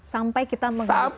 sampai kita menghabiskan nafas